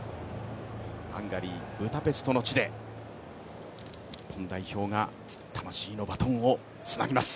ハンガリー・ブダペストの地でこの代表が、魂のバトンをつなぎます。